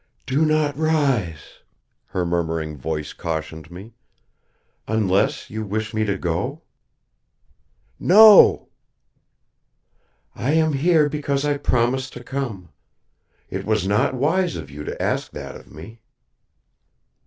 "Do not rise!" her murmuring voice cautioned me. "Unless you wish me to go?" "No!" "I am here because I promised to come. It was not wise of you to ask that of me."